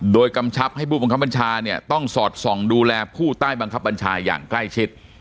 โดยกำชับให้ผู้บังคับบัญชาเนี่ยต้องสอดส่องดูแลผู้ใต้บังคับบัญชาอย่างใกล้ชิด